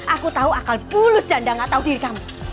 aku tahu akal pulus janda gak tahu diri kamu